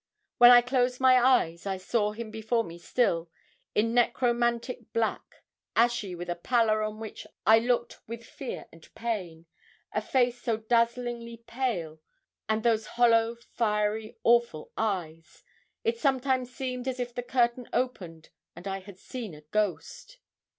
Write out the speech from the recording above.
When I closed my eyes I saw him before me still, in necromantic black, ashy with a pallor on which I looked with fear and pain, a face so dazzlingly pale, and those hollow, fiery, awful eyes! It sometimes seemed as if the curtain opened, and I had seen a ghost.